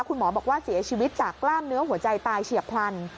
คุณหมอบอกว่าเสียชีวิตจากกล้ามเนื้อหัวใจตายเฉียบพลัน